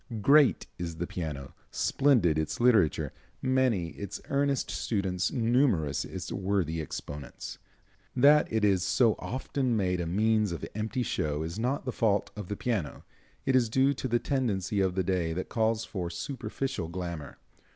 Great is the piano, splendid its literature, many its earnest students, numerous its worthy exponents. That it is so often made a means of empty show is not the fault of the piano, it is due to a tendency of the day that calls for superficial glamor.